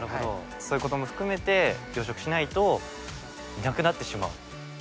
そういうことも含めて養殖しないといなくなってしまう。